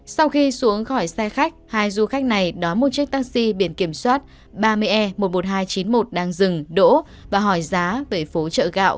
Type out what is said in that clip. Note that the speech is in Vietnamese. sau khi xuống khỏi xe khách hai du khách này đón một chiếc taxi biển kiểm soát ba mươi e một mươi một nghìn hai trăm chín mươi một đang dừng đỗ và hỏi giá về phố chợ gạo